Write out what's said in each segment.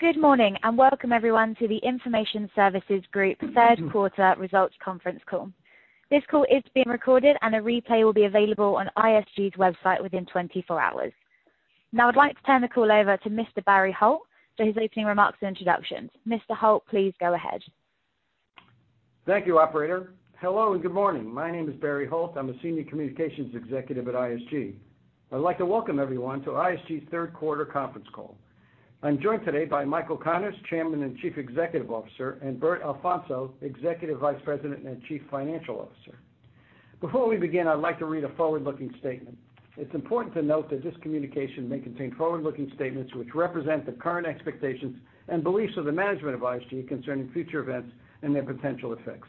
Good morning, and welcome everyone to the Information Services Group Third Quarter Results Conference Call. This call is being recorded and a replay will be available on ISG's website within 24 hours. Now I'd like to turn the call over to Mr. Barry Holt for his opening remarks and introductions. Mr. Holt, please go ahead. Thank you, operator. Hello, and good morning. My name is Barry Holt. I'm a senior communications executive at ISG. I'd like to welcome everyone to ISG's third quarter conference call. I'm joined today by Michael Connors, Chairman and Chief Executive Officer, and Bert Alfonso, Executive Vice President and Chief Financial Officer. Before we begin, I'd like to read a forward-looking statement. It's important to note that this communication may contain forward-looking statements which represent the current expectations and beliefs of the management of ISG concerning future events and their potential effects.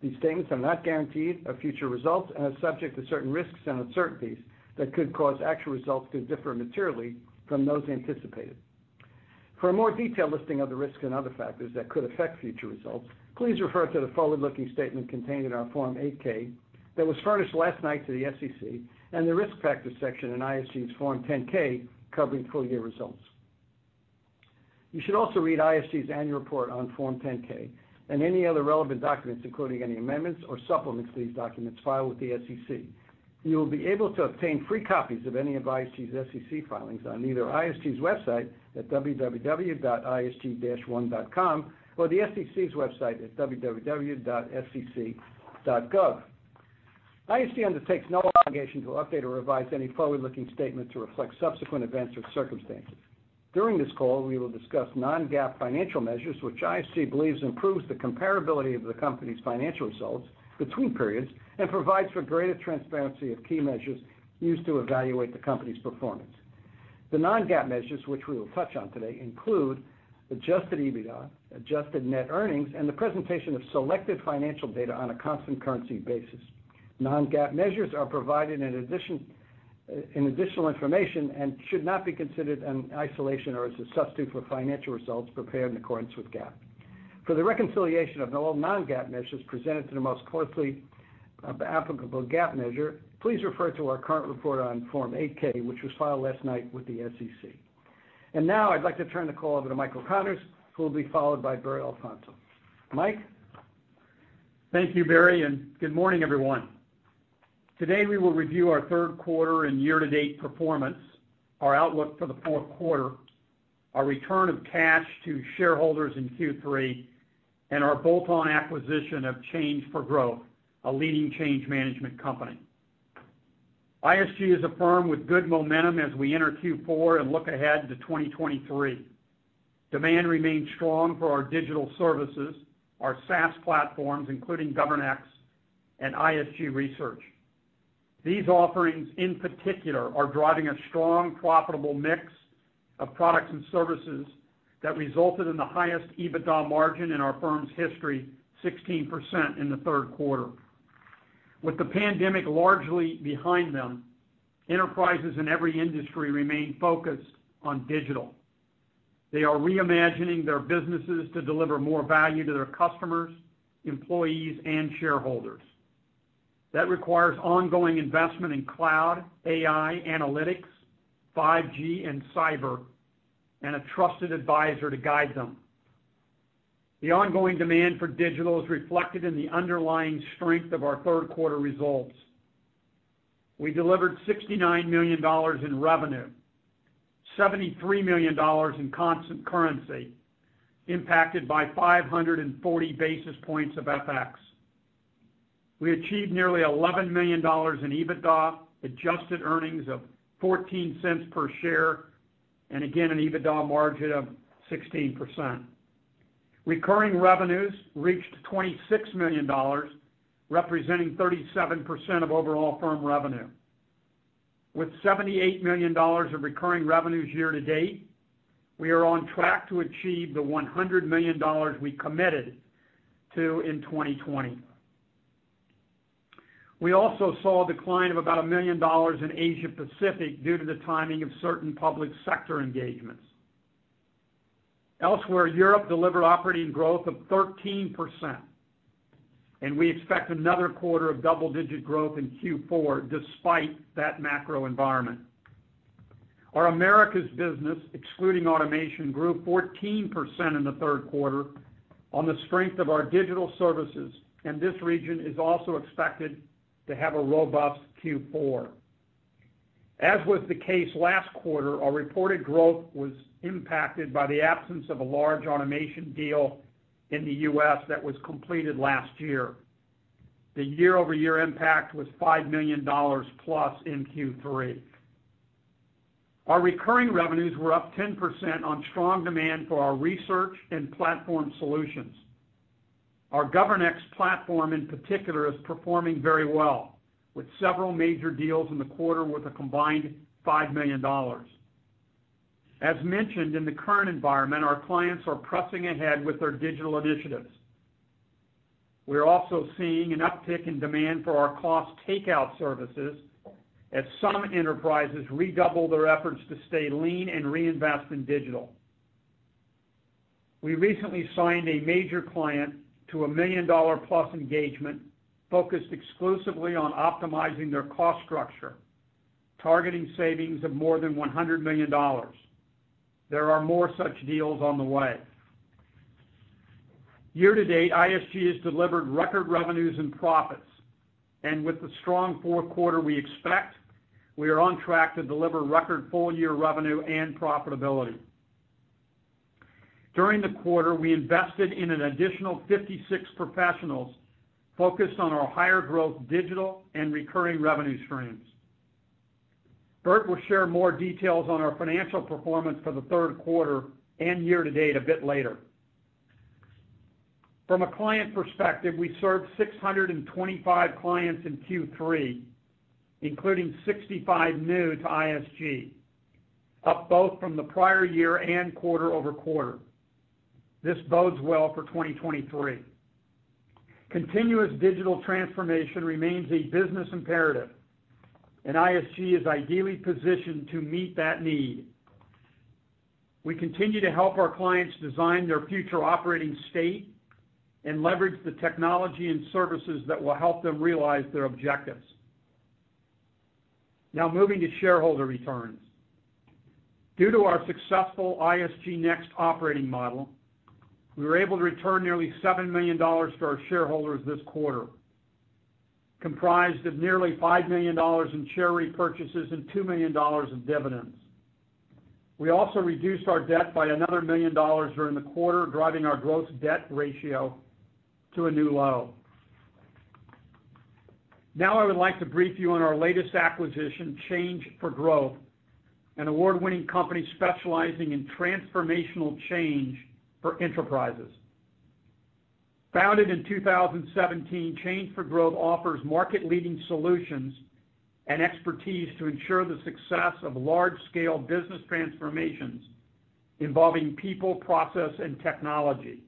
These statements are not guarantees of future results and are subject to certain risks and uncertainties that could cause actual results to differ materially from those anticipated. For a more detailed listing of the risks and other factors that could affect future results, please refer to the forward-looking statement contained in our Form 8-K that was furnished last night to the SEC and the Risk Factors section in ISG's Form 10-K covering full year results. You should also read ISG's annual report on Form 10-K and any other relevant documents, including any amendments or supplements to these documents, filed with the SEC. You will be able to obtain free copies of any of ISG's SEC filings on either ISG's website at www.isg-one.com or the SEC's website at www.sec.gov. ISG undertakes no obligation to update or revise any forward-looking statement to reflect subsequent events or circumstances. During this call, we will discuss non-GAAP financial measures, which ISG believes improves the comparability of the company's financial results between periods and provides for greater transparency of key measures used to evaluate the company's performance. The non-GAAP measures which we will touch on today include adjusted EBITDA, adjusted net earnings, and the presentation of selected financial data on a constant currency basis. Non-GAAP measures are provided in additional information and should not be considered in isolation or as a substitute for financial results prepared in accordance with GAAP. For the reconciliation of all non-GAAP measures presented to the most closely applicable GAAP measure, please refer to our current report on Form 8-K, which was filed last night with the SEC. Now I'd like to turn the call over to Michael Connors, who will be followed by Bert Alfonso. Mike? Thank you, Barry, and good morning, everyone. Today, we will review our third quarter and year-to-date performance, our outlook for the fourth quarter, our return of cash to shareholders in Q3, and our bolt-on acquisition of Change 4 Growth, a leading change management company. ISG is a firm with good momentum as we enter Q4 and look ahead to 2023. Demand remains strong for our digital services, our SaaS platforms, including GovernX and ISG Research. These offerings, in particular, are driving a strong, profitable mix of products and services that resulted in the highest EBITDA margin in our firm's history, 16% in the third quarter. With the pandemic largely behind them, enterprises in every industry remain focused on digital. They are reimagining their businesses to deliver more value to their customers, employees, and shareholders. That requires ongoing investment in cloud, AI, analytics, 5G, and cyber, and a trusted advisor to guide them. The ongoing demand for digital is reflected in the underlying strength of our third quarter results. We delivered $69 million in revenue, $73 million in constant currency impacted by 540 basis points of FX. We achieved nearly $11 million in EBITDA, adjusted earnings of $0.14 per share, and again, an EBITDA margin of 16%. Recurring revenues reached $26 million, representing 37% of overall firm revenue. With $78 million of recurring revenues year to date, we are on track to achieve the $100 million we committed to in 2020. We also saw a decline of about $1 million in Asia-Pacific due to the timing of certain public sector engagements. Elsewhere, Europe delivered operating growth of 13%, and we expect another quarter of double-digit growth in Q4 despite that macro environment. Our Americas business, excluding automation, grew 14% in the third quarter on the strength of our digital services, and this region is also expected to have a robust Q4. As was the case last quarter, our reported growth was impacted by the absence of a large automation deal in the U.S. that was completed last year. The year-over-year impact was $5 million+ in Q3. Our recurring revenues were up 10% on strong demand for our research and platform solutions. Our GovernX platform in particular is performing very well, with several major deals in the quarter worth a combined $5 million. As mentioned, in the current environment, our clients are pressing ahead with their digital initiatives. We're also seeing an uptick in demand for our cost takeout services as some enterprises redouble their efforts to stay lean and reinvest in digital. We recently signed a major client to a $1 million+ engagement focused exclusively on optimizing their cost structure, targeting savings of more than $100 million. There are more such deals on the way. Year-to-date, ISG has delivered record revenues and profits, and with the strong fourth quarter we expect, we are on track to deliver record full-year revenue and profitability. During the quarter, we invested in an additional 56 professionals focused on our higher growth digital and recurring revenue streams. Bert will share more details on our financial performance for the third quarter and year-to-date a bit later. From a client perspective, we served 625 clients in Q3, including 65 new to ISG, up both from the prior year and quarter-over-quarter. This bodes well for 2023. Continuous digital transformation remains a business imperative, and ISG is ideally positioned to meet that need. We continue to help our clients design their future operating state and leverage the technology and services that will help them realize their objectives. Now moving to shareholder returns. Due to our successful ISG NEXT operating model, we were able to return nearly $7 million to our shareholders this quarter, comprised of nearly $5 million in share repurchases and $2 million in dividends. We also reduced our debt by another $1 million during the quarter, driving our gross debt ratio to a new low. Now I would like to brief you on our latest acquisition, Change 4 Growth, an award-winning company specializing in transformational change for enterprises. Founded in 2017, Change 4 Growth offers market-leading solutions and expertise to ensure the success of large-scale business transformations involving people, process, and technology.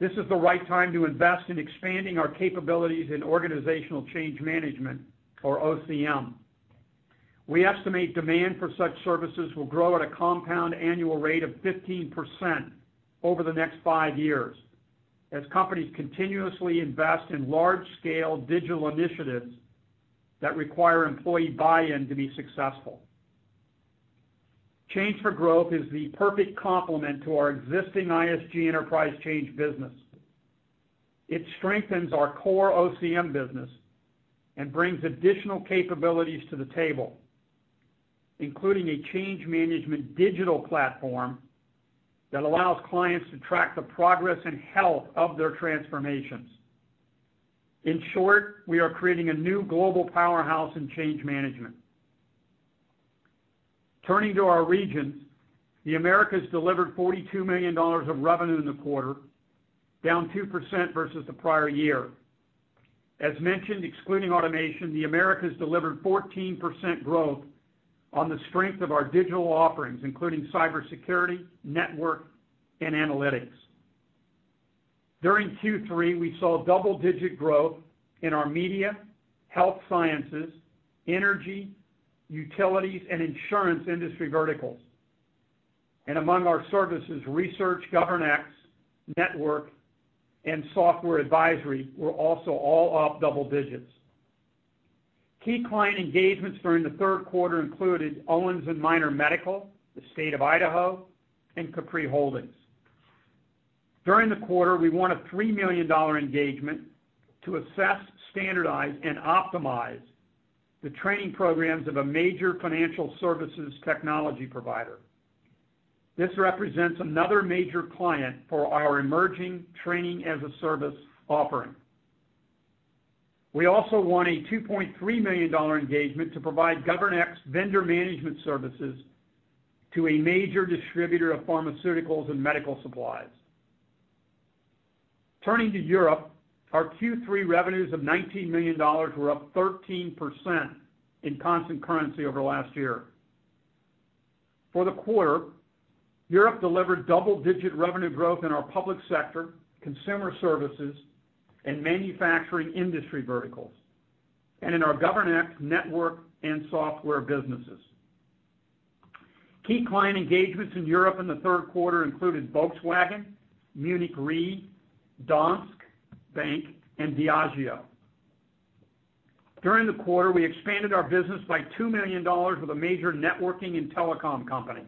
This is the right time to invest in expanding our capabilities in organizational change management or OCM. We estimate demand for such services will grow at a compound annual rate of 15% over the next five years as companies continuously invest in large-scale digital initiatives that require employee buy-in to be successful. Change 4 Growth is the perfect complement to our existing ISG Enterprise Change business. It strengthens our core OCM business and brings additional capabilities to the table, including a change management digital platform that allows clients to track the progress and health of their transformations. In short, we are creating a new global powerhouse in change management. Turning to our regions, the Americas delivered $42 million of revenue in the quarter, down 2% versus the prior year. As mentioned, excluding automation, the Americas delivered 14% growth on the strength of our digital offerings, including cybersecurity, network, and analytics. During Q3, we saw double-digit growth in our media, health sciences, energy, utilities, and insurance industry verticals. Among our services, research, GovernX, network, and software advisory were also all up double digits. Key client engagements during the third quarter included Owens & Minor, the State of Idaho, and Capri Holdings. During the quarter, we won a $3 million engagement to assess, standardize, and optimize the training programs of a major financial services technology provider. This represents another major client for our emerging training-as-a-service offering. We also won a $2.3 million engagement to provide GovernX vendor management services to a major distributor of pharmaceuticals and medical supplies. Turning to Europe, our Q3 revenues of $19 million were up 13% in constant currency over last year. For the quarter, Europe delivered double-digit revenue growth in our public sector, consumer services, and manufacturing industry verticals, and in our GovernX network and software businesses. Key client engagements in Europe in the third quarter included Volkswagen, Munich Re, Danske Bank, and Diageo. During the quarter, we expanded our business by $2 million with a major networking and telecom company.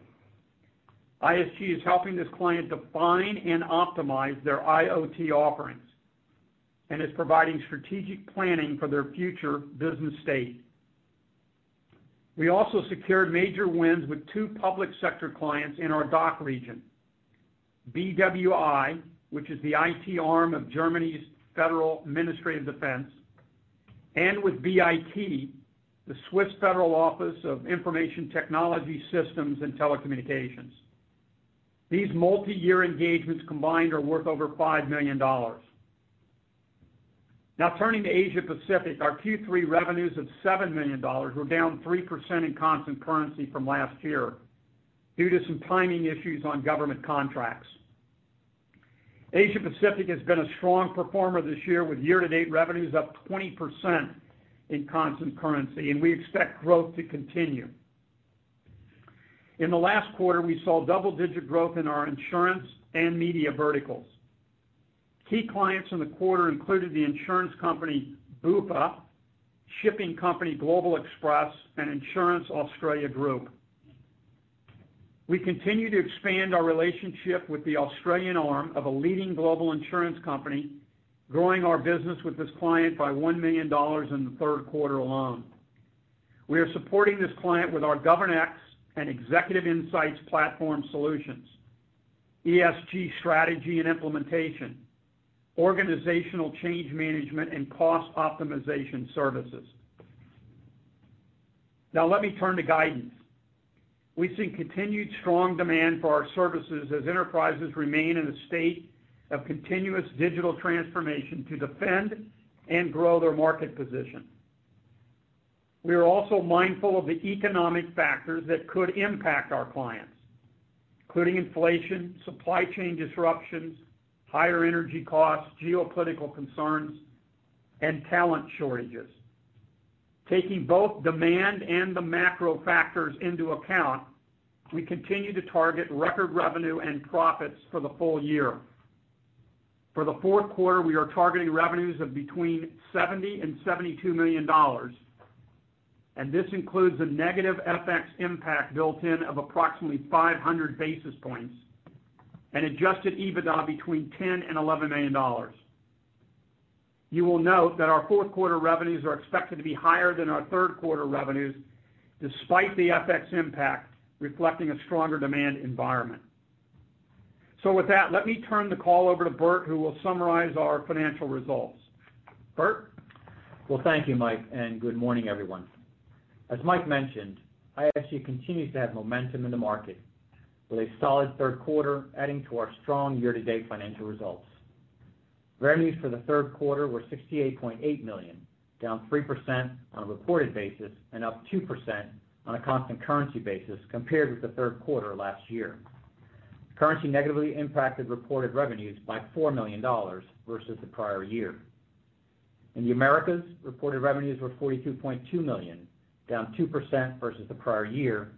ISG is helping this client define and optimize their IoT offerings and is providing strategic planning for their future business state. We also secured major wins with two public sector clients in our DACH region, BWI, which is the IT arm of Germany's Federal Ministry of Defense, and with BIT, the Swiss Federal Office of Information Technology, Systems and Telecommunication. These multi-year engagements combined are worth over $5 million. Now turning to Asia Pacific, our Q3 revenues of $7 million were down 3% in constant currency from last year due to some timing issues on government contracts. Asia Pacific has been a strong performer this year, with year-to-date revenues up 20% in constant currency, and we expect growth to continue. In the last quarter, we saw double-digit growth in our insurance and media verticals. Key clients in the quarter included the insurance company Bupa, shipping company Toll Global Express, and Insurance Australia Group. We continue to expand our relationship with the Australian arm of a leading global insurance company, growing our business with this client by $1 million in the third quarter alone. We are supporting this client with our GovernX and ISG Executive Insights platform solutions, ESG strategy and implementation, organizational change management, and cost optimization services. Now let me turn to guidance. We've seen continued strong demand for our services as enterprises remain in a state of continuous digital transformation to defend and grow their market position. We are also mindful of the economic factors that could impact our clients, including inflation, supply chain disruptions, higher energy costs, geopolitical concerns, and talent shortages. Taking both demand and the macro factors into account, we continue to target record revenue and profits for the full year. For the fourth quarter, we are targeting revenues of between $70 million and $72 million, and this includes a negative FX impact built-in of approximately 500 basis points and adjusted EBITDA between $10 million and $11 million. You will note that our fourth quarter revenues are expected to be higher than our third quarter revenues, despite the FX impact, reflecting a stronger demand environment. With that, let me turn the call over to Bert, who will summarize our financial results. Bert? Well, thank you, Mike, and good morning, everyone. As Mike mentioned, ISG continues to have momentum in the market, with a solid third quarter adding to our strong year-to-date financial results. Revenues for the third quarter were $68.8 million, down 3% on a reported basis and up 2% on a constant currency basis compared with the third quarter last year. Currency negatively impacted reported revenues by $4 million versus the prior year. In the Americas, reported revenues were $42.2 million, down 2% versus the prior year,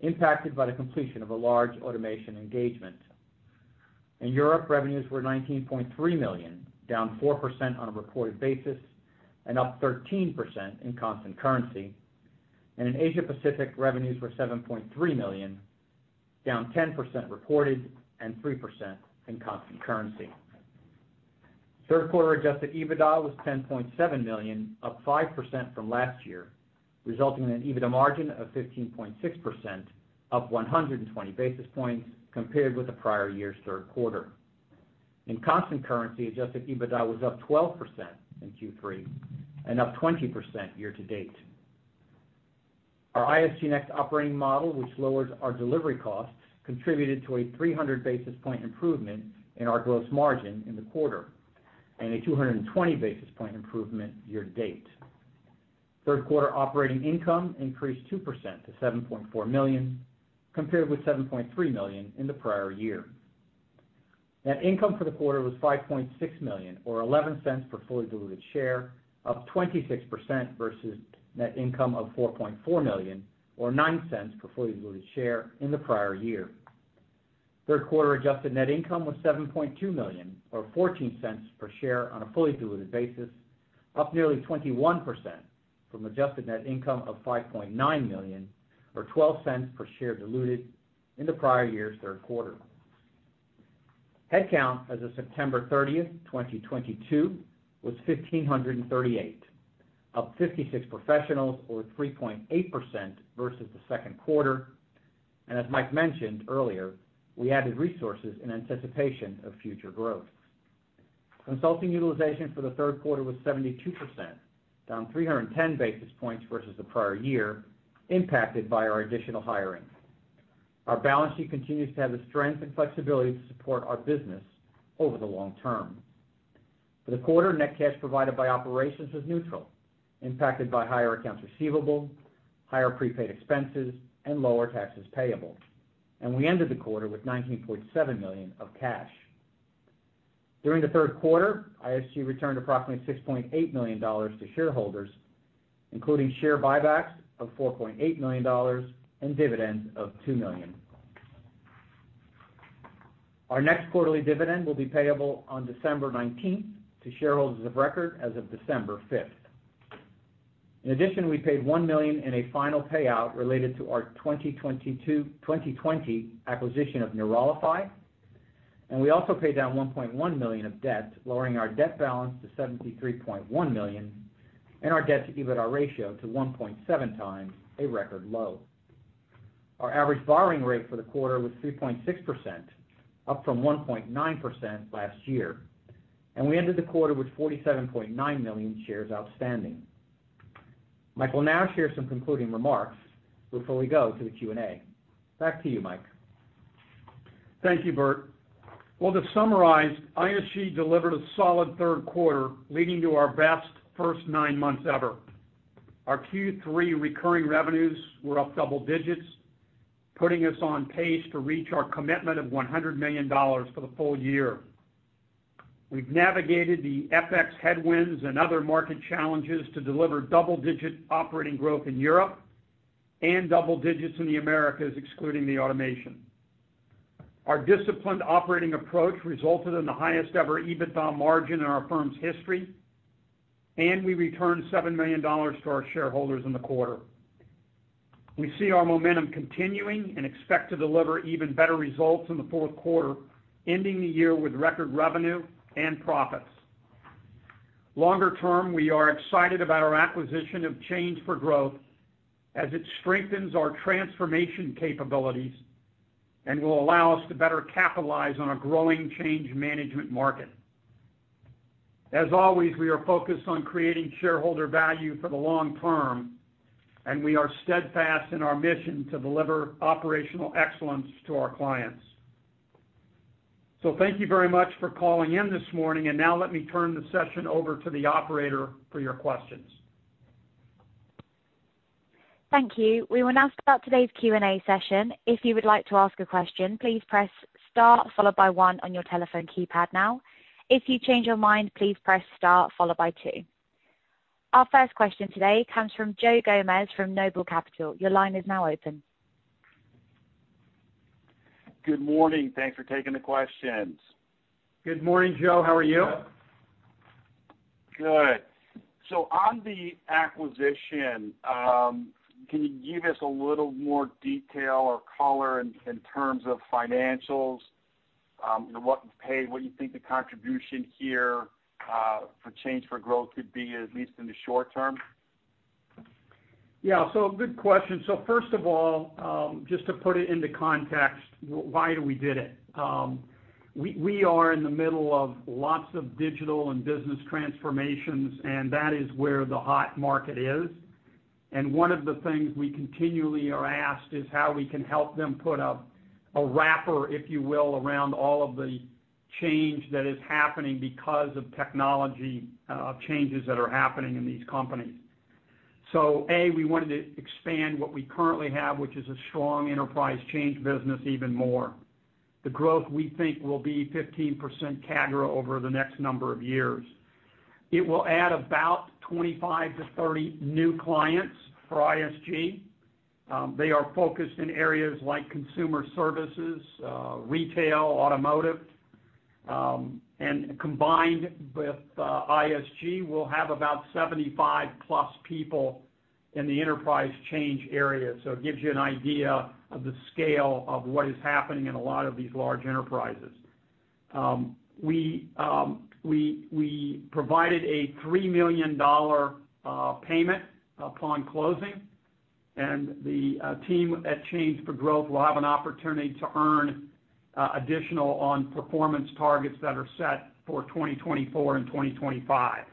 impacted by the completion of a large automation engagement. In Europe, revenues were $19.3 million, down 4% on a reported basis and up 13% in constant currency. In Asia Pacific, revenues were $7.3 million, down 10% reported and 3% in constant currency. Third quarter adjusted EBITDA was $10.7 million, up 5% from last year, resulting in an EBITDA margin of 15.6%, up 120 basis points compared with the prior year's third quarter. In constant currency, adjusted EBITDA was up 12% in Q3 and up 20% year-to-date. Our ISG NEXT operating model, which lowers our delivery costs, contributed to a 300 basis point improvement in our gross margin in the quarter and a 220 basis point improvement year-to-date. Third quarter operating income increased 2% to $7.4 million, compared with $7.3 million in the prior year. Net income for the quarter was $5.6 million or $0.11 per fully diluted share, up 26% versus net income of $4.4 million or $0.09 per fully diluted share in the prior year. Third quarter adjusted net income was $7.2 million or $0.14 per share on a fully diluted basis, up nearly 21% from adjusted net income of $5.9 million or $0.12 per diluted share in the prior year's third quarter. Headcount as of September 30th, 2022 was 1,538, up 56 professionals or 3.8% versus the second quarter. As Mike mentioned earlier, we added resources in anticipation of future growth. Consulting utilization for the third quarter was 72%, down 310 basis points versus the prior year, impacted by our additional hiring. Our balance sheet continues to have the strength and flexibility to support our business over the long term. For the quarter, net cash provided by operations was neutral, impacted by higher accounts receivable, higher prepaid expenses, and lower taxes payable. We ended the quarter with $19.7 million of cash. During the third quarter, ISG returned approximately $6.8 million to shareholders, including share buybacks of $4.8 million and dividends of $2 million. Our next quarterly dividend will be payable on December 19th to shareholders of record as of December 5th. In addition, we paid $1 million in a final payout related to our 2020 acquisition of Neuralify, and we also paid down $1.1 million of debt, lowering our debt balance to $73.1 million and our debt-to-EBITDA ratio to 1.7x, a record low. Our average borrowing rate for the quarter was 3.6%, up from 1.9% last year. We ended the quarter with 47.9 million shares outstanding. Mike will now share some concluding remarks before we go to the Q and A. Back to you, Mike. Thank you, Bert. Well, to summarize, ISG delivered a solid third quarter, leading to our best first nine months ever. Our Q3 recurring revenues were up double digits, putting us on pace to reach our commitment of $100 million for the full year. We've navigated the FX headwinds and other market challenges to deliver double-digit operating growth in Europe and double digits in the Americas, excluding the automation. Our disciplined operating approach resulted in the highest-ever EBITDA margin in our firm's history, and we returned $7 million to our shareholders in the quarter. We see our momentum continuing and expect to deliver even better results in the fourth quarter, ending the year with record revenue and profits. Longer term, we are excited about our acquisition of Change 4 Growth as it strengthens our transformation capabilities and will allow us to better capitalize on a growing change management market. As always, we are focused on creating shareholder value for the long term, and we are steadfast in our mission to deliver operational excellence to our clients. Thank you very much for calling in this morning. Now let me turn the session over to the operator for your questions. Thank you. We will now start today's Q and A session. If you would like to ask a question, please press star followed by one on your telephone keypad now. If you change your mind, please press star followed by two. Our first question today comes from Joe Gomes from Noble Capital Markets. Your line is now open. Good morning. Thanks for taking the questions. Good morning, Joe. How are you? Good. On the acquisition, can you give us a little more detail or color in terms of financials? You know, what you paid, what you think the contribution here for Change 4 Growth could be, at least in the short term? Yeah. Good question. First of all, just to put it into context, why we did it. We are in the middle of lots of digital and business transformations, and that is where the hot market is. One of the things we continually are asked is how we can help them put a wrapper, if you will, around all of the change that is happening because of technology changes that are happening in these companies. A, we wanted to expand what we currently have, which is a strong enterprise change business even more. The growth, we think, will be 15% CAGR over the next number of years. It will add about 25-30 new clients for ISG. They are focused in areas like consumer services, retail, automotive, and combined with ISG, we'll have about 75+ people in the enterprise change area. So it gives you an idea of the scale of what is happening in a lot of these large enterprises. We provided a $3 million payment upon closing, and the team at Change 4 Growth will have an opportunity to earn additional on performance targets that are set for 2024 and 2025.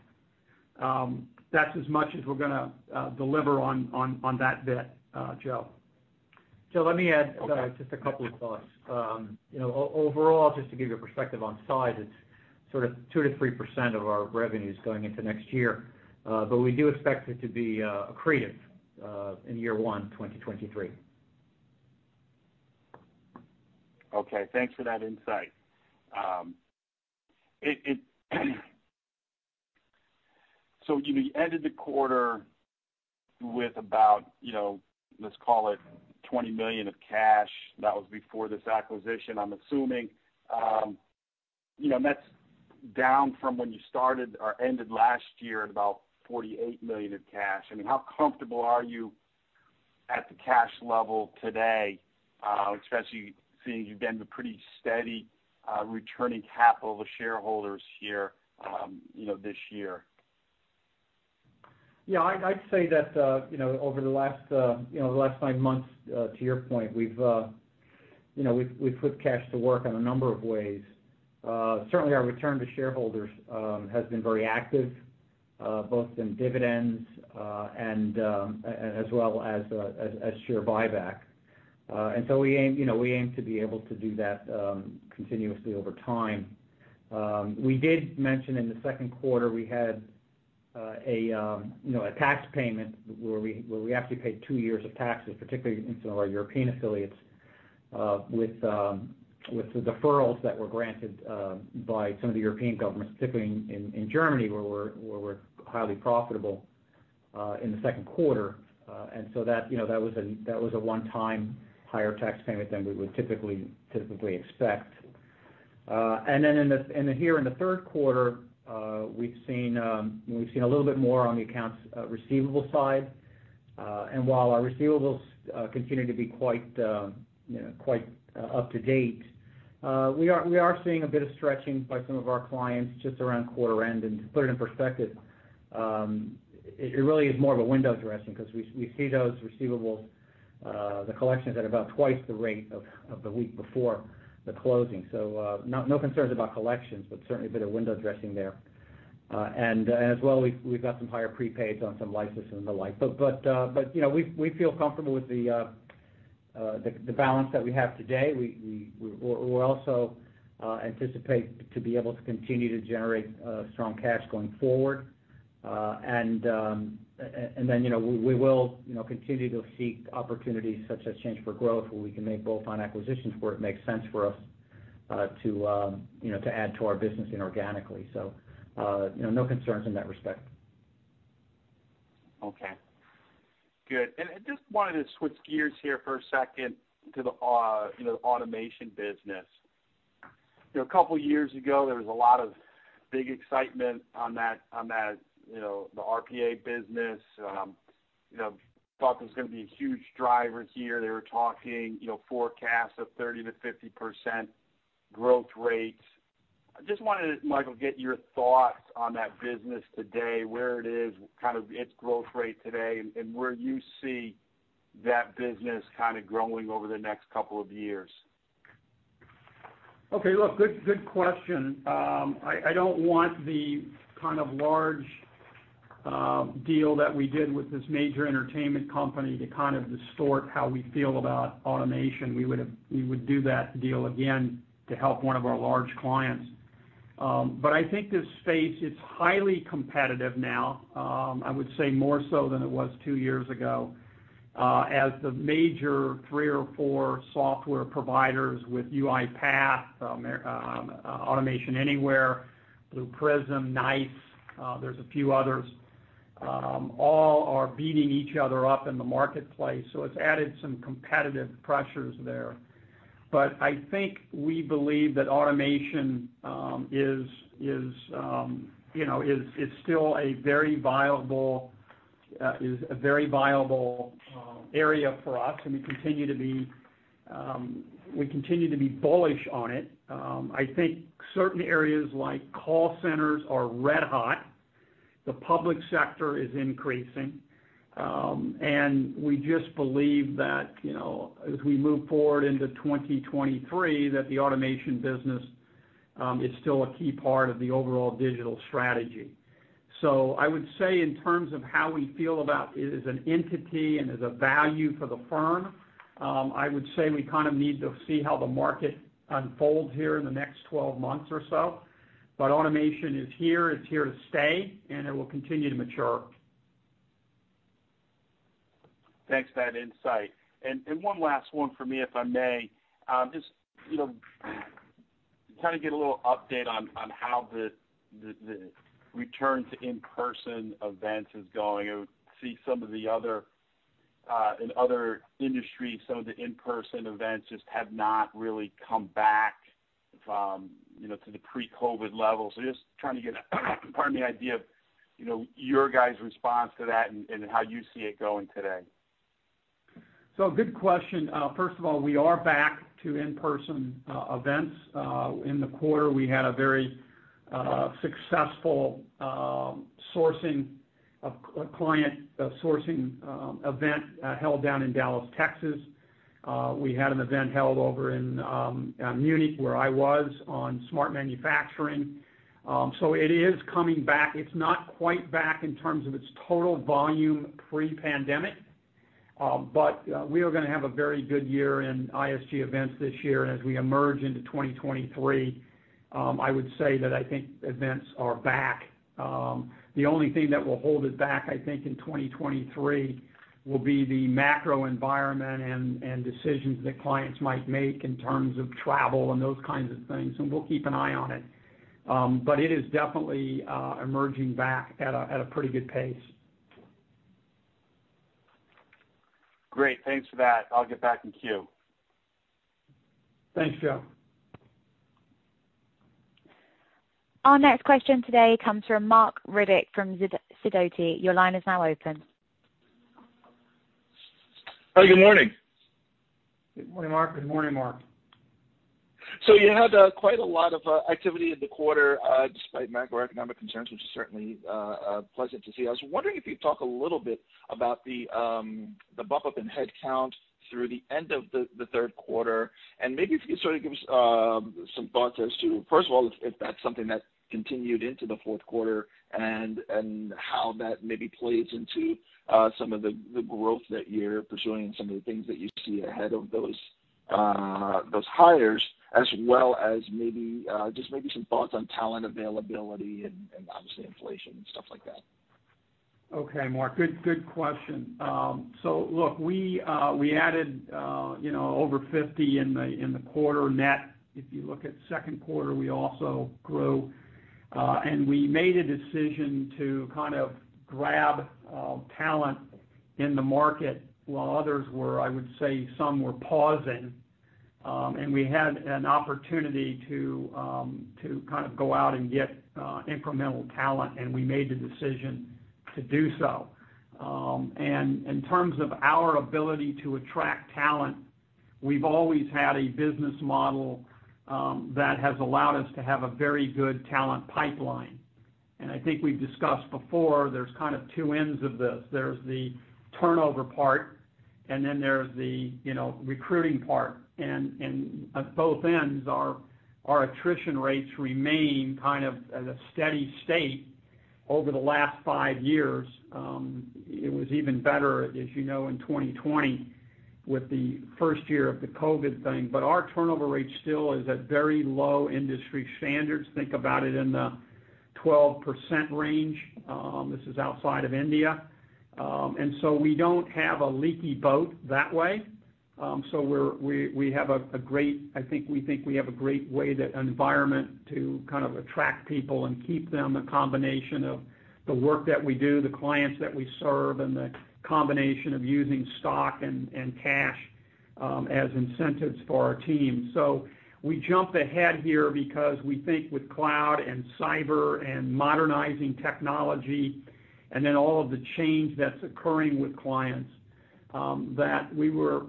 That's as much as we're gonna deliver on that bit, Joe. Joe, let me add just a couple of thoughts. You know, overall, just to give you a perspective on size, it's sort of 2%-3% of our revenues going into next year. We do expect it to be accretive in year one, 2023. Okay. Thanks for that insight. You ended the quarter with about, you know, let's call it $20 million of cash. That was before this acquisition, I'm assuming. You know, and that's down from when you started or ended last year at about $48 million of cash. I mean, how comfortable are you at the cash level today, especially seeing you've been pretty steady, returning capital to shareholders here, you know, this year? Yeah. I'd say that, you know, over the last, you know, the last nine months, to your point, we've put cash to work in a number of ways. Certainly our return to shareholders has been very active, both in dividends and as well as share buyback. We aim, you know, to be able to do that continuously over time. We did mention in the second quarter, we had a tax payment where we actually paid two years of taxes, particularly in some of our European affiliates, with the deferrals that were granted by some of the European governments, particularly in Germany, where we're highly profitable, in the second quarter. That, you know, was a one-time higher tax payment than we would typically expect. Then here in the third quarter, we've seen, you know, a little bit more on the accounts receivable side. While our receivables continue to be quite, you know, up to date, we are seeing a bit of stretching by some of our clients just around quarter end. To put it in perspective, it really is more of a window dressing because we see those receivables, the collections at about twice the rate of the week before the closing. No concerns about collections, but certainly a bit of window dressing there. As well, we've got some higher prepaids on some licenses and the like. You know, we feel comfortable with the balance that we have today. We're also anticipate to be able to continue to generate strong cash going forward. Then, you know, we will continue to seek opportunities such as Change 4 Growth, where we can make bolt-on acquisitions where it makes sense for us, you know, to add to our business inorganically. No concerns in that respect. Okay. Good. I just wanted to switch gears here for a second to the, you know, automation business. You know, a couple years ago, there was a lot of big excitement on that, you know, the RPA business. You know, thought there was gonna be a huge driver here. They were talking, you know, forecasts of 30%-50% growth rates. I just wanted, Michael, get your thoughts on that business today, where it is, kind of its growth rate today, and where you see that business kind of growing over the next couple of years. Okay, look, good question. I don't want the kind of large deal that we did with this major entertainment company to kind of distort how we feel about automation. We would do that deal again to help one of our large clients. But I think this space, it's highly competitive now. I would say more so than it was two years ago, as the major three or four software providers with UiPath, Automation Anywhere, Blue Prism, NICE, there's a few others, all are beating each other up in the marketplace. It's added some competitive pressures there. I think we believe that automation, you know, is still a very viable area for us, and we continue to be bullish on it. I think certain areas like call centers are red hot. The public sector is increasing. We just believe that, you know, as we move forward into 2023, that the automation business is still a key part of the overall digital strategy. So I would say in terms of how we feel about it as an entity and as a value for the firm, I would say we kind of need to see how the market unfolds here in the next 12 months or so. Automation is here, it's here to stay, and it will continue to mature. Thanks for that insight. One last one for me, if I may. Just, you know, kind of get a little update on how the return to in-person events is going. I see some of the other in other industries, some of the in-person events just have not really come back, you know, to the pre-COVID levels. Just trying to get kind of the idea of, you know, your guys' response to that and how you see it going today. Good question. First of all, we are back to in-person events. In the quarter, we had a very successful client sourcing event held down in Dallas, Texas. We had an event held over in Munich, where I was, on smart manufacturing. It is coming back. It's not quite back in terms of its total volume pre-pandemic, but we are gonna have a very good year in ISG Events this year. As we emerge into 2023, I would say that I think events are back. The only thing that will hold it back, I think, in 2023 will be the macro environment and decisions that clients might make in terms of travel and those kinds of things, and we'll keep an eye on it. It is definitely emerging back at a pretty good pace. Great. Thanks for that. I'll get back in queue. Thanks, Joe. Our next question today comes from Marc Riddick from Sidoti. Your line is now open. Hi, good morning. Good morning, Mark. You had quite a lot of activity in the quarter despite macroeconomic concerns, which is certainly pleasant to see. I was wondering if you'd talk a little bit about the bump up in headcount through the end of the third quarter, and maybe if you could sort of give us some thoughts as to, first of all, if that's something that continued into the fourth quarter and how that maybe plays into some of the growth that you're pursuing and some of the things that you see ahead of those hires, as well as just maybe some thoughts on talent availability and obviously inflation and stuff like that. Okay, Mark. Good question. Look, we added, you know, over 50 in the quarter net. If you look at second quarter, we also grew. We made a decision to kind of grab talent in the market while others were, I would say, some were pausing. We had an opportunity to kind of go out and get incremental talent, and we made the decision to do so. In terms of our ability to attract talent, we've always had a business model that has allowed us to have a very good talent pipeline. I think we've discussed before there's kind of two ends of this. There's the turnover part, and then there's the, you know, recruiting part. At both ends, our attrition rates remain kind of at a steady state over the last five years. It was even better, as you know, in 2020 with the first year of the COVID thing. Our turnover rate still is at very low industry standards. Think about it in the 12% range, this is outside of India. We don't have a leaky boat that way. We have a great, I think we have a great way that environment to kind of attract people and keep them a combination of the work that we do, the clients that we serve, and the combination of using stock and cash as incentives for our team. We jumped ahead here because we think with cloud and cyber and modernizing technology and then all of the change that's occurring with clients, that we were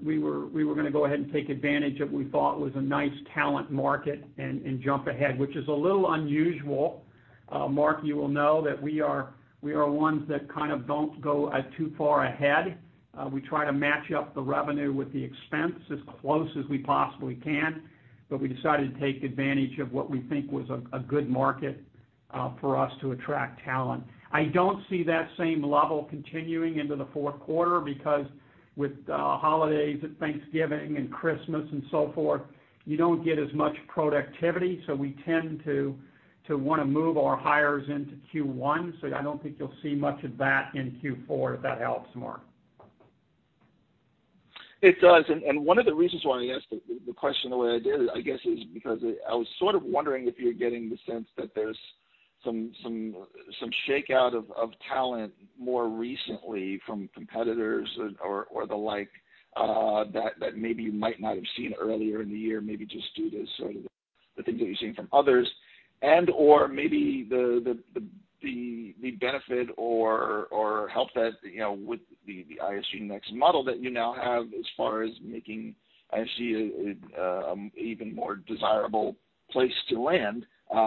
gonna go ahead and take advantage of what we thought was a nice talent market and jump ahead, which is a little unusual. Mark, you will know that we are ones that kind of don't go too far ahead. We try to match up the revenue with the expense as close as we possibly can, but we decided to take advantage of what we think was a good market for us to attract talent. I don't see that same level continuing into the fourth quarter because with holidays and Thanksgiving and Christmas and so forth, you don't get as much productivity, so we tend to wanna move our hires into Q1. I don't think you'll see much of that in Q4, if that helps, Mark. It does. One of the reasons why I asked the question the way I did, I guess, is because I was sort of wondering if you're getting the sense that there's some shakeout of talent more recently from competitors or the like, that maybe you might not have seen earlier in the year, maybe just due to sort of the things that you're seeing from others. And/or maybe the benefit or help that, you know, with the ISG NEXT model that you now have as far as making ISG a even more desirable place to land,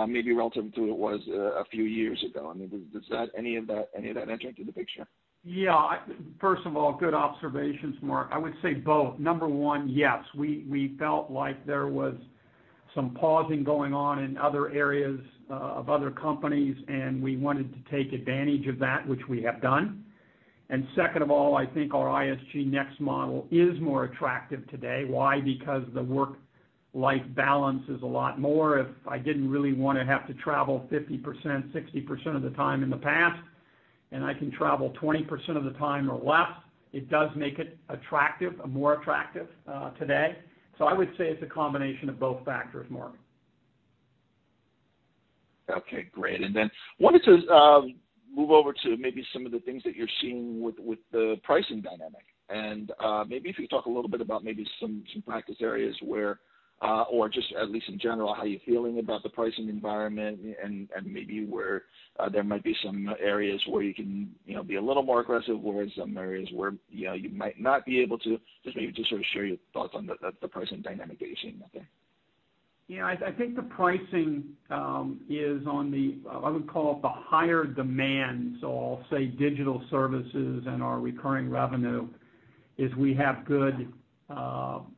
maybe relative to it was a few years ago. I mean, does any of that enter into the picture? Yeah. First of all, good observations, Mark. I would say both. Number one, yes, we felt like there was some pausing going on in other areas of other companies, and we wanted to take advantage of that, which we have done. Second of all, I think our ISG NEXT model is more attractive today. Why? Because the work-life balance is a lot more. If I didn't really wanna have to travel 50%, 60% of the time in the past, and I can travel 20% of the time or less, it does make it attractive, more attractive, today. I would say it's a combination of both factors, Mark. Okay, great. Wanted to move over to maybe some of the things that you're seeing with the pricing dynamic. Maybe if you talk a little bit about maybe some practice areas where or just at least in general, how you're feeling about the pricing environment and maybe where there might be some areas where you can, you know, be a little more aggressive or some areas where, you know, you might not be able to. Just maybe just sort of share your thoughts on the pricing dynamic that you're seeing out there. Yeah. I think the pricing is on the, I would call it the higher demand. I'll say digital services and our recurring revenue is we have good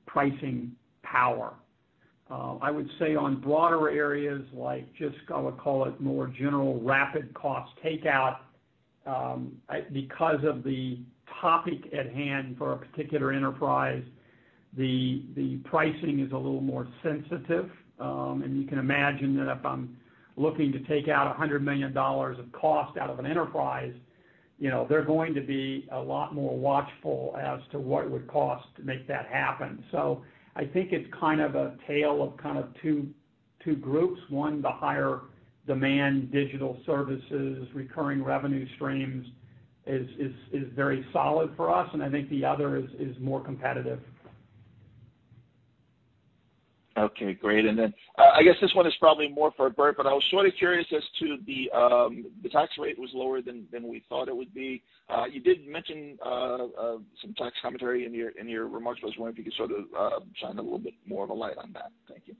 pricing power. I would say on broader areas like just I would call it more general rapid cost takeout because of the topic at hand for a particular enterprise, the pricing is a little more sensitive. You can imagine that if I'm looking to take out $100 million of cost out of an enterprise, you know, they're going to be a lot more watchful as to what it would cost to make that happen. I think it's kind of a tale of kind of two groups. One, the higher demand for digital services, recurring revenue streams is very solid for us, and I think the other is more competitive. Okay, great. I guess this one is probably more for Bert, but I was sort of curious as to the tax rate was lower than we thought it would be. You did mention some tax commentary in your remarks. I was wondering if you could sort of shine a little bit more of a light on that. Thank you.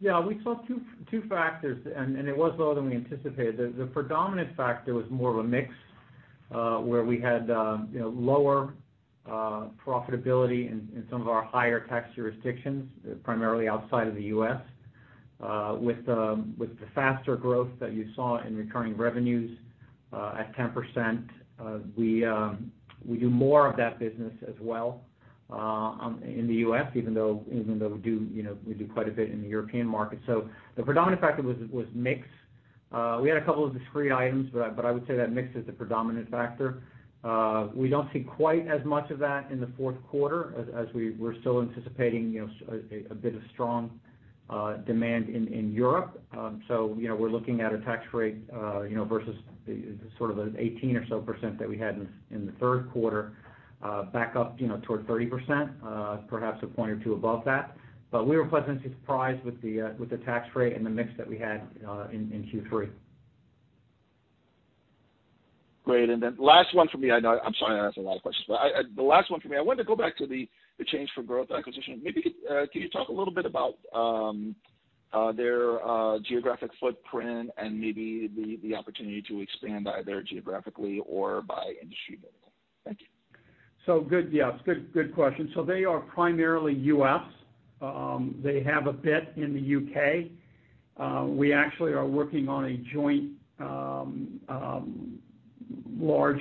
Yeah. We saw two factors, and it was lower than we anticipated. The predominant factor was more of a mix, where we had, you know, lower profitability in some of our higher tax jurisdictions, primarily outside of the U.S.. With the faster growth that you saw in recurring revenues at 10%, we do more of that business as well in the U.S., even though we do, you know, we do quite a bit in the European market. The predominant factor was mix. We had a couple of discrete items, but I would say that mix is the predominant factor. We don't see quite as much of that in the fourth quarter as we're still anticipating, you know, a bit of strong demand in Europe. So, you know, we're looking at a tax rate, you know, versus sort of the 18% or so that we had in the third quarter, back up, you know, toward 30%, perhaps a point or two above that. We were pleasantly surprised with the tax rate and the mix that we had in Q3. Great. Last one for me. I know, I'm sorry I asked a lot of questions, but I wanted to go back to the Change 4 Growth acquisition. Maybe can you talk a little bit about their geographic footprint and maybe the opportunity to expand either geographically or by industry vertical? Thank you. Good. Yes, good question. They are primarily U.S. They have a bit in the U.K. We actually are working on a joint, large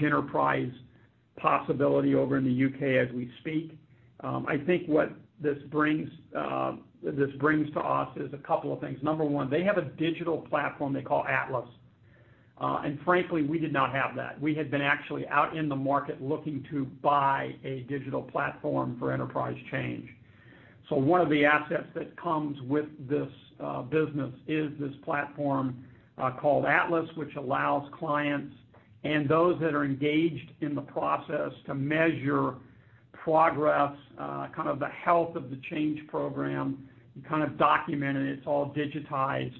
enterprise possibility over in the U.K. as we speak. I think what this brings to us is a couple of things. Number one, they have a digital platform they call ATLAS. Frankly, we did not have that. We had been actually out in the market looking to buy a digital platform for enterprise change. One of the assets that comes with this, business is this platform, called ATLAS, which allows clients and those that are engaged in the process to measure progress, kind of the health of the change program, you kind of document it's all digitized.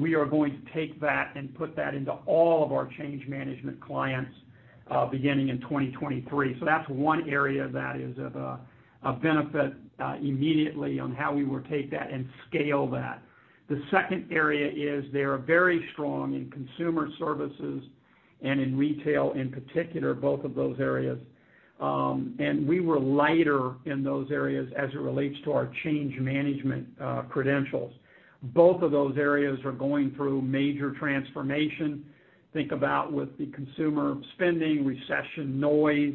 We are going to take that and put that into all of our change management clients, beginning in 2023. That's one area that is of a benefit immediately on how we will take that and scale that. The second area is they are very strong in consumer services and in retail in particular, both of those areas. We were lighter in those areas as it relates to our change management credentials. Both of those areas are going through major transformation. Think about with the consumer spending, recession noise,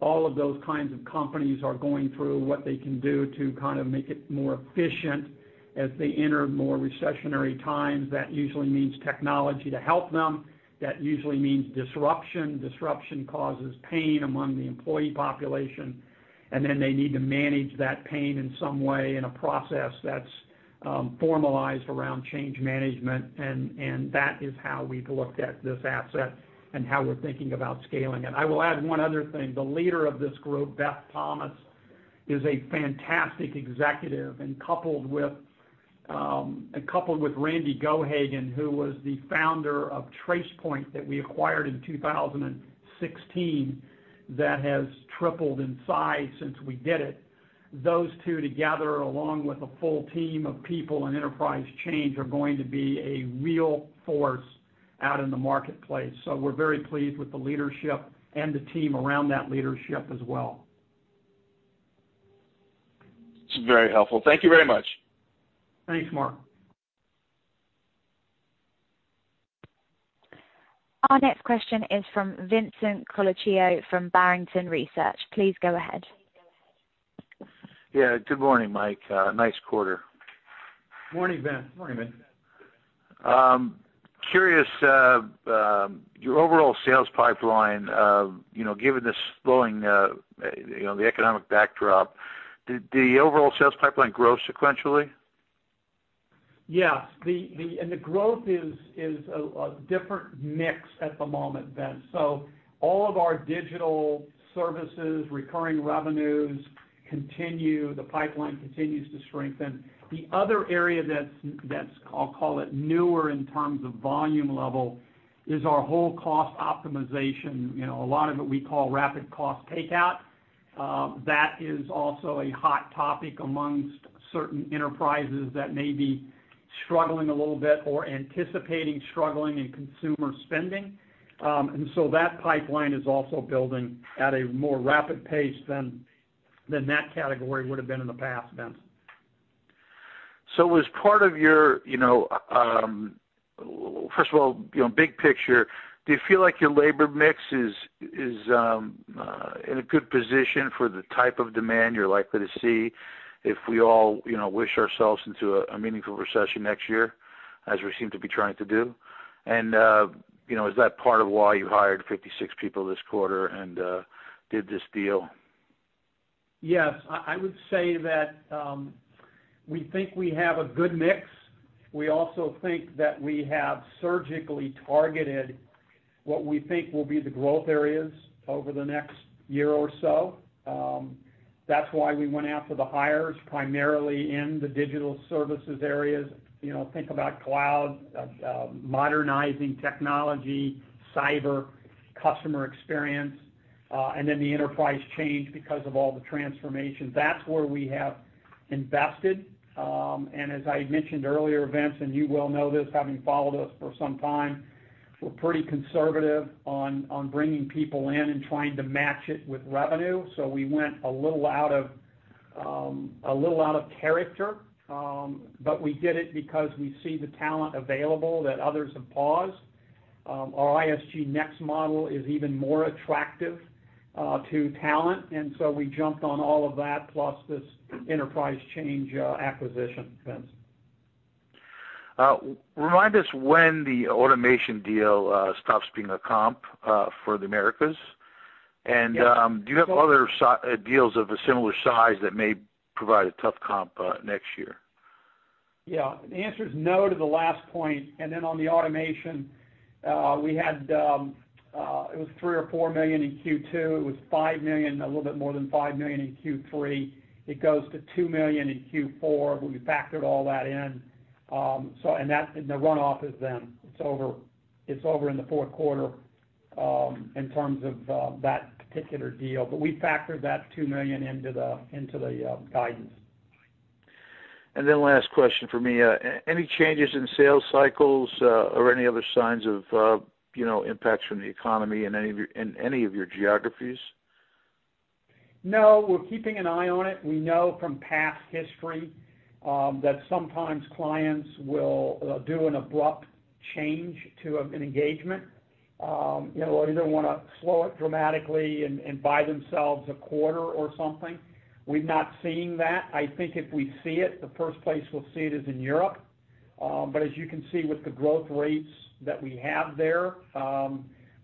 all of those kinds of companies are going through what they can do to kind of make it more efficient as they enter more recessionary times. That usually means technology to help them. That usually means disruption. Disruption causes pain among the employee population, and then they need to manage that pain in some way in a process that's formalized around change management, and that is how we've looked at this asset and how we're thinking about scaling it. I will add one other thing. The leader of this group, Beth Thomas, is a fantastic executive, and coupled with Randy Gohagan, who was the founder of TracePoint that we acquired in 2016, that has tripled in size since we did it. Those two together, along with a full team of people in enterprise change, are going to be a real force out in the marketplace. We're very pleased with the leadership and the team around that leadership as well. It's very helpful. Thank you very much. Thanks, Mark. Our next question is from Vincent Colicchio from Barrington Research. Please go ahead. Yeah, good morning, Mike. Nice quarter. Morning, Vince. Curious, your overall sales pipeline, you know, given the slowing, you know, the economic backdrop, did the overall sales pipeline grow sequentially? Yes. The growth is a different mix at the moment, Vince. All of our digital services, recurring revenues continue. The pipeline continues to strengthen. The other area that's, I'll call it newer in terms of volume level is our whole cost optimization. You know, a lot of it we call rapid cost takeout. That is also a hot topic amongst certain enterprises that may be struggling a little bit or anticipating struggling in consumer spending. That pipeline is also building at a more rapid pace than that category would have been in the past, Vince. As part of your, you know, first of all, you know, big picture, do you feel like your labor mix is in a good position for the type of demand you're likely to see if we all, you know, wish ourselves into a meaningful recession next year as we seem to be trying to do? You know, is that part of why you hired 56 people this quarter and did this deal? Yes. I would say that we think we have a good mix. We also think that we have surgically targeted what we think will be the growth areas over the next year or so. That's why we went after the hires primarily in the digital services areas. You know, think about cloud, modernizing technology, cyber, customer experience, and then the enterprise change because of all the transformation. That's where we have invested. As I mentioned earlier, Vince, and you well know this, having followed us for some time, we're pretty conservative on bringing people in and trying to match it with revenue. We went a little out of character, but we did it because we see the talent available that others have paused. Our ISG NEXT model is even more attractive to talent, and so we jumped on all of that plus this enterprise change acquisition, Vince. Remind us when the automation deal stops being a comp for the Americas? Yeah. Do you have other deals of a similar size that may provide a tough comp next year? Yeah. The answer is no to the last point. Then on the automation, it was $3 or $4 million in Q2. It was $5 million, a little bit more than $5 million in Q3. It goes to $2 million in Q4. We factored all that in. So and that's and the runoff is then. It's over in the fourth quarter in terms of that particular deal. We factored that $2 million into the guidance. Last question for me. Any changes in sales cycles, or any other signs of, you know, impacts from the economy in any of your geographies? No, we're keeping an eye on it. We know from past history that sometimes clients will do an abrupt change to an engagement. You know, either wanna slow it dramatically and buy themselves a quarter or something. We've not seen that. I think if we see it, the first place we'll see it is in Europe. But as you can see with the growth rates that we have there,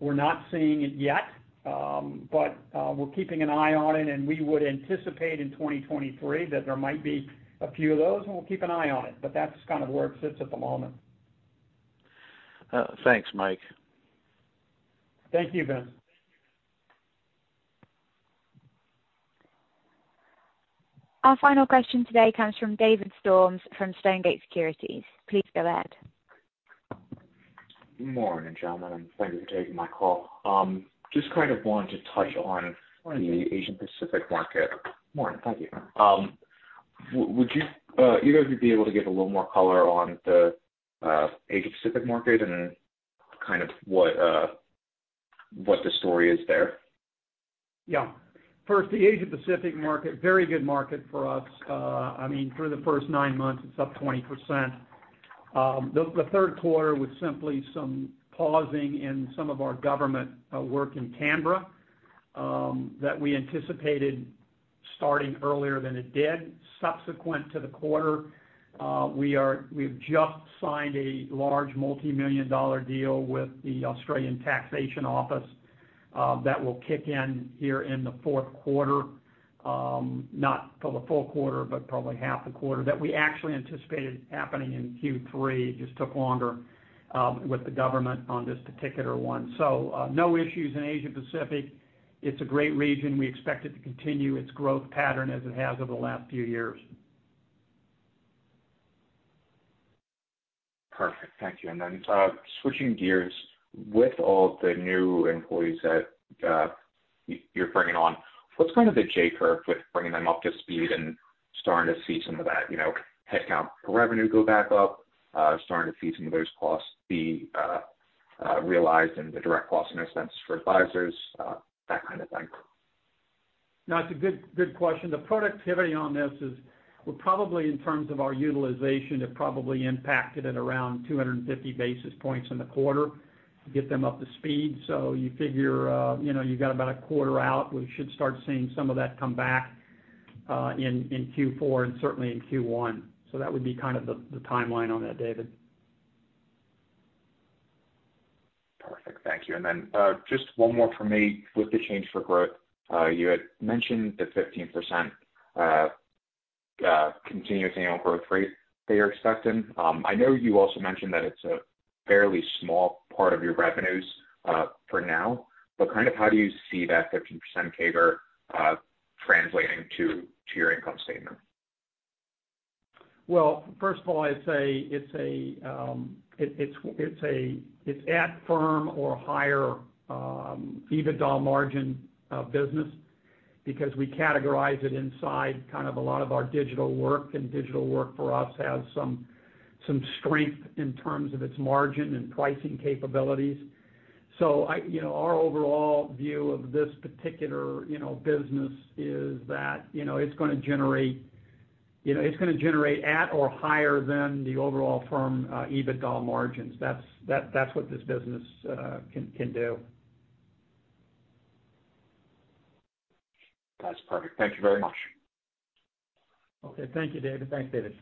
we're not seeing it yet. But we're keeping an eye on it, and we would anticipate in 2023 that there might be a few of those, and we'll keep an eye on it. That's kind of where it sits at the moment. Thanks, Mike. Thank you, Vince. Our final question today comes from Dave Storms from Stonegate Capital Markets. Please go ahead. Good morning, gentlemen, and thank you for taking my call. Just kind of wanted to touch on the Asia Pacific market more. Thank you. Would you, either of you, be able to give a little more color on the Asia Pacific market and kind of what the story is there? Yeah. First, the Asia Pacific market, very good market for us. I mean, through the first nine months, it's up 20%. The third quarter was simply some pausing in some of our government work in Canberra that we anticipated starting earlier than it did. Subsequent to the quarter, we have just signed a large multi-million dollar deal with the Australian Taxation Office that will kick in here in the fourth quarter, not for the full quarter, but probably half the quarter, that we actually anticipated happening in Q3. It just took longer with the government on this particular one. No issues in Asia Pacific. It's a great region. We expect it to continue its growth pattern as it has over the last few years. Perfect. Thank you. Switching gears, with all the new employees that you're bringing on, what's kind of the J curve with bringing them up to speed and starting to see some of that, you know, headcount per revenue go back up, starting to see some of those costs be realized in the direct costs and expenses for advisors? That kind of thing. No, it's a good question. The productivity on this is we're probably, in terms of our utilization, have probably impacted at around 250 basis points in the quarter to get them up to speed. You figure, you know, you got about a quarter out, we should start seeing some of that come back in Q4 and certainly in Q1. That would be kind of the timeline on that, David. Perfect. Thank you. Just one more for me. With the Change 4 Growth, you had mentioned the 15% compound annual growth rate that you're expecting. I know you also mentioned that it's a fairly small part of your revenues for now. Kind of how do you see that 15% CAGR translating to your income statement? Well, first of all, it's at firm or higher EBITDA margin business because we categorize it inside kind of a lot of our digital work, and digital work for us has some strength in terms of its margin and pricing capabilities. Our overall view of this particular business is that it's gonna generate at or higher than the overall firm EBITDA margins. That's what this business can do. That's perfect. Thank you very much. Okay. Thank you, David. Thanks, David.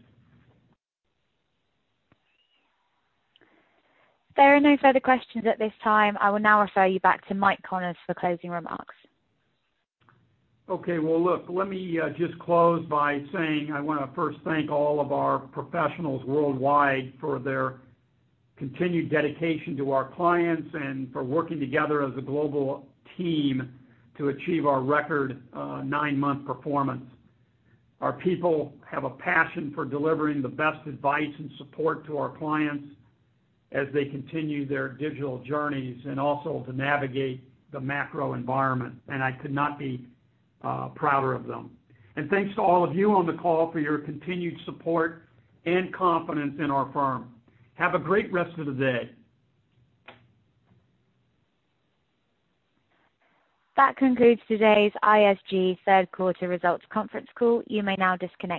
There are no further questions at this time. I will now refer you back to Michael Connors for closing remarks. Okay. Well, look, let me just close by saying I wanna first thank all of our professionals worldwide for their continued dedication to our clients and for working together as a global team to achieve our record nine-month performance. Our people have a passion for delivering the best advice and support to our clients as they continue their digital journeys and also to navigate the macro environment, and I could not be prouder of them. Thanks to all of you on the call for your continued support and confidence in our firm. Have a great rest of the day. That concludes today's ISG third quarter results conference call. You may now disconnect your-